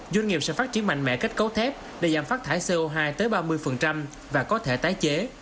doanh nghiệp sẽ phát triển mạnh mẽ kết cấu thép để giảm phát thải co hai tới ba mươi và có thể tái chế